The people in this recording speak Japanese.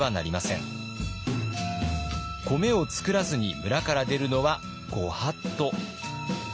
米を作らずに村から出るのは御法度。